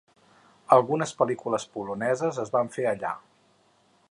Algunes pel·lícules poloneses es van fer allà.